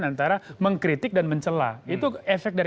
karena mengkritik dan mencelah itu efek dari